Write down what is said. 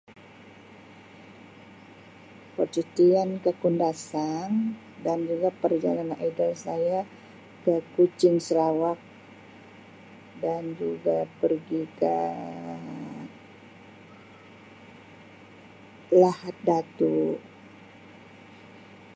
Percutian ke Kundasang dan juga perjalanan ideal saya ke Kuching Sarawak dan juga pergi ke Lahad Datu.